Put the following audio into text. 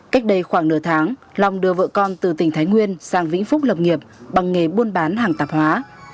cách đây khoảng nửa tháng long đưa vợ con từ tỉnh thái nguyên sang vĩnh phúc lập nghiệp bằng nghề buôn bán hàng tạp hóa